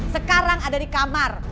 sekarang ada di kamar